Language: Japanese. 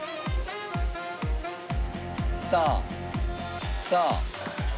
さあさあ。